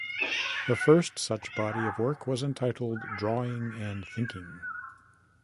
The first such body of work was entitled "Drawing and Thinking".